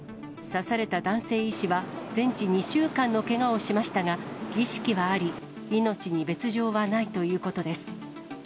刺された男性医師は全治２週間のけがをしましたが、意識はあり、命に別状はないということです。